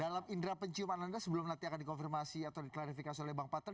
dalam indera penciuman anda sebelum nanti akan dikonfirmasi atau diklarifikasi oleh bang patra